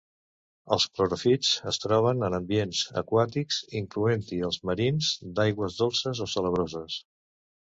Els cloròfits es troben en ambients aquàtics, incloent-hi els marins, d'aigües dolces o salabroses.